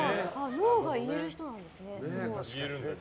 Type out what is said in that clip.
ノーが言える人なんですね。